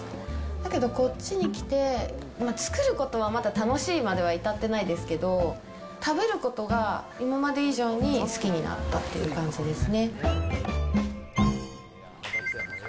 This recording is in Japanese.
だけどこっちに来て、作ることはまだ楽しいまでは至ってないですけど、食べることが今まで以上に好きになったっていう感じですね。